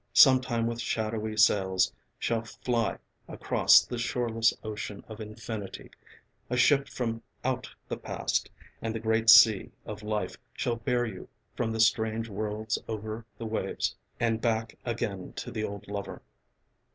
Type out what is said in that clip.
Sometime with shadowy sails shall fly across The shoreless ocean of infinity A ship from out the past, and the great sea Of life shall bear you from the strange worlds over The waves, and back again to the old lover.